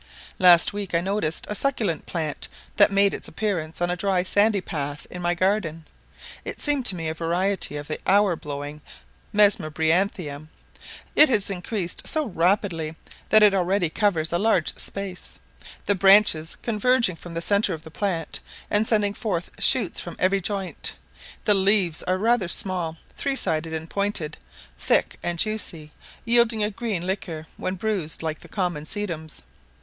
Last week I noticed a succulent plant that made its appearance on a dry sandy path in my garden; it seems to me a variety of the hour blowing mesembryanthium. It has increased so rapidly that it already covers a large space; the branches converging from the centre of the plant; and sending forth shoots from every joint. The leaves are rather small, three sided and pointed, thick and juicy, yielding a green liquor when bruised like the common sedums.